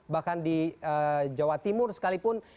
bahkan di jawa timur sekalipun